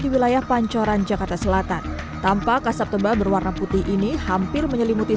di wilayah pancoran jakarta selatan tampak asap tebal berwarna putih ini hampir menyelimuti